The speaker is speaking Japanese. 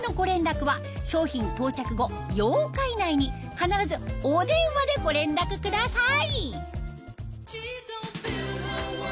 必ずお電話でご連絡ください